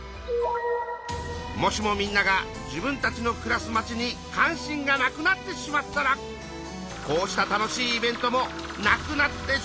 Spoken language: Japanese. もしもみんなが自分たちのくらすまちに関心がなくなってしまったらこうした楽しいイベントもなくなってしまうかも！？